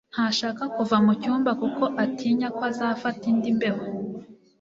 Ntashaka kuva mucyumba kuko atinya ko azafata indi mbeho.